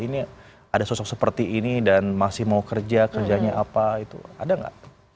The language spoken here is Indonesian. ini ada sosok seperti ini dan masih mau kerja kerjanya apa itu ada nggak